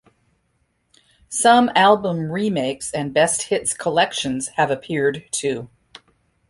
Some album remakes and best-hits collections have appeared too.